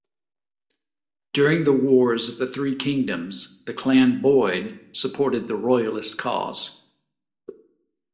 During the Wars of the Three Kingdoms the Clan Boyd supported the royalist cause.